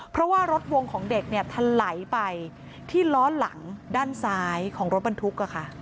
เพราะว่ารถวงของเด็กเนี่ยทะไหลไปที่ล้อหลังด้านซ้ายของรถบรรทุก